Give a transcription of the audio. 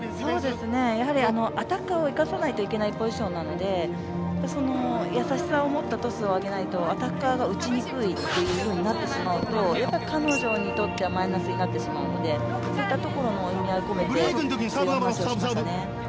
アタッカーを生かさないといけないポジションなので優しさをもったトスを上げないとアタッカーが打ちにくいとなってしまうと、やっぱり彼女にとってはマイナスになってしまうのでそういったところの意味合いを込めてそういう話をしましたね。